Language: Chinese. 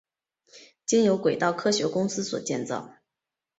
经由轨道科学公司所建造。